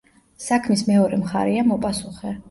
საქმის მეორე მხარეა მოპასუხე.